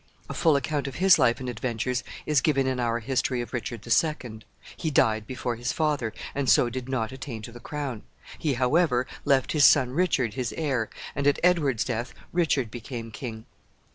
A full account of his life and adventures is given in our history of Richard the Second. He died before his father, and so did not attain to the crown. He, however, left his son Richard his heir, and at Edward's death Richard became king.